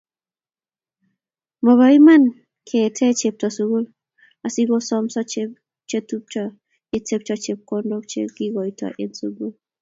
Mobo iman keete chepto sukul asikosomonso chetupcho yebetyo chepkondok chekekoitoi eng sukul